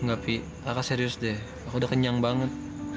enggak pi kakak serius deh aku udah kenyang banget